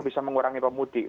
bisa mengurangi pemudik